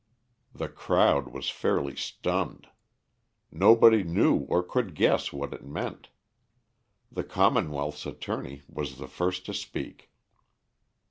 The crowd was fairly stunned. Nobody knew or could guess what it meant. The commonwealth's attorney was the first to speak.